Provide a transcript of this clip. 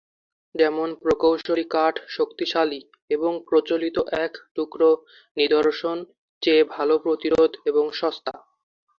যেমন প্রকৌশলী কাঠ শক্তিশালী এবং প্রচলিত এক-টুকরা নিদর্শন চেয়ে ভাল প্রতিরোধ এবং সস্তা।